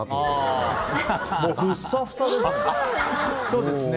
そうですね。